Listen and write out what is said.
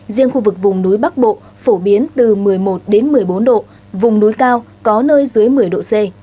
riêng khu vực vùng núi bắc bộ phổ biến từ một mươi một đến một mươi bốn độ vùng núi cao có nơi dưới một mươi độ c